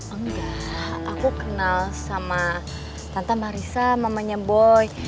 enggak aku kenal sama tante marisa mamanya boy